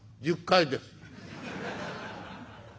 「１０階です」。